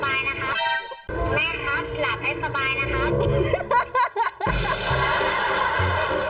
แม่ครับหลับให้สบายนะครับ